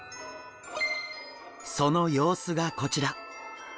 その様子がこちら。